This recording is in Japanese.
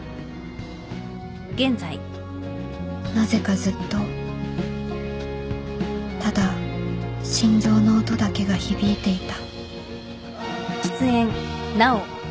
なぜかずっとただ心臓の音だけが響いていた